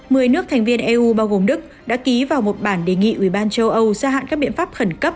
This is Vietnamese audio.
mười nước thành viên eu bao gồm đức đã ký vào một bản đề nghị ubnd châu âu gia hạn các biện pháp khẩn cấp